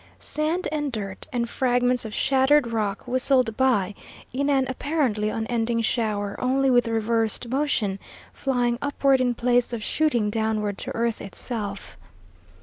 Sand and dirt and fragments of shattered rock whistled by in an apparently unending shower, only with reversed motion, flying upward in place of shooting downward to earth itself.